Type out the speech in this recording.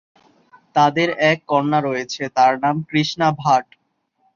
তাদের এক কন্যা রয়েছে, তার নাম কৃষ্ণা ভাট।